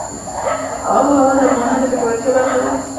آب وهوا د افغانانو د ګټورتیا برخه ده.